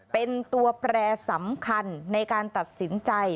เป็นตัวแปรสำคัญในการตัดสินใจ